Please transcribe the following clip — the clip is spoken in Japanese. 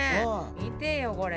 見てよこれ。